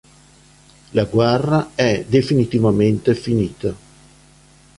La guerra è definitivamente finita.